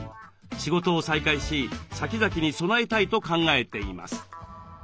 仕事を再開し先々に備えたいと考えています。